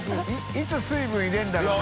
いつ水分入れるんだろうね？